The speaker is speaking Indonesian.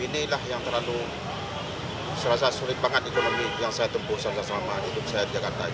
inilah yang terlalu serasa sulit banget ekonomi yang saya tempuh selama hidup saya di jakarta